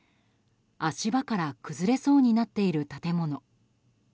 足場から崩れそうになっている建物。